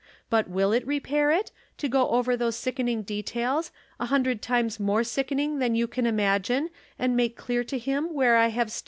But will it repair it, to go over those sickening details, a hundred times more sickening than you can imagine, and make clear to him where I have stood